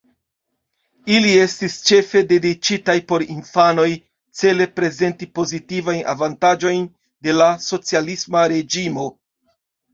Ili estis ĉefe dediĉitaj por infanoj cele prezenti pozitivajn avantaĝojn de la socialisma reĝimo.